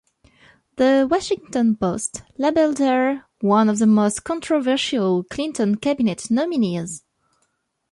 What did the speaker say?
"The Washington Post" labeled her "one of the most controversial Clinton Cabinet nominees".